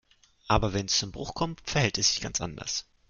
Aber wenn es zum Bruch kommt, verhält es sich ganz anders.